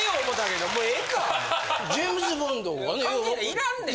いらんねん。